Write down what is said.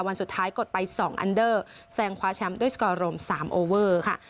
วันสุดท้ายกดไป๒อันเดอร์แซงคว้าแชมป์ด้วยสกอร์โรม๓โอเวอร์ค่ะ